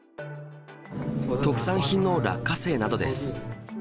特産品の落花生などです。